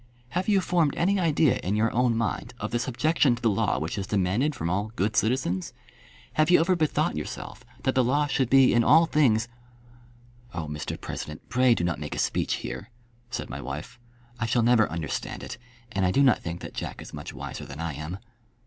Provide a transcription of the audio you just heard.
"Have you formed any idea in your own mind of the subjection to the law which is demanded from all good citizens? Have you ever bethought yourself that the law should be in all things " "Oh, Mr President, pray do not make a speech here," said my wife. "I shall never understand it, and I do not think that Jack is much wiser than I am."